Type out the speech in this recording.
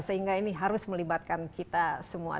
sehingga ini harus melibatkan kita semua